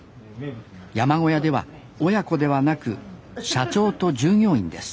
山小屋では親子ではなく社長と従業員です